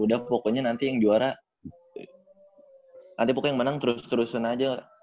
udah pokoknya nanti yang juara nanti pokoknya yang menang terus terusin aja